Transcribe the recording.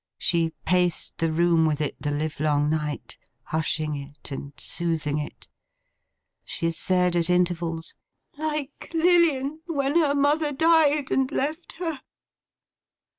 She paced the room with it the livelong night, hushing it and soothing it. She said at intervals, 'Like Lilian, when her mother died and left her!